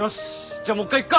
じゃあもう一回いくか。